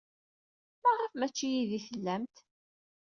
Maɣef maci yid-i ay tellamt?